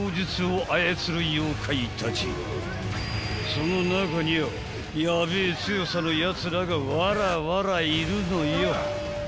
［その中にはヤベえ強さのやつらがわらわらいるのよ］